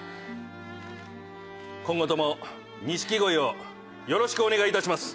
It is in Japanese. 今後とも錦鯉をよろしくお願いいたします。